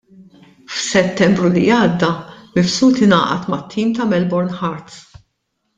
F'Settembru li għadda, Mifsud ingħaqad mat-tim ta' Melbourne Heart.